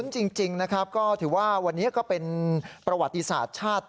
จริงนะครับก็ถือว่าวันนี้ก็เป็นประวัติศาสตร์ชาติ